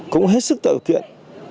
cũng hết sức tạo kiện